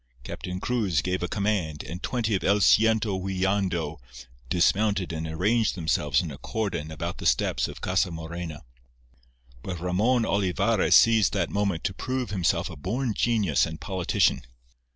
Captain Cruz gave a command, and twenty of El Ciento Huilando dismounted and arranged themselves in a cordon about the steps of Casa Morena. But Ramon Olivarra seized that moment to prove himself a born genius and politician.